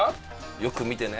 よく見てね。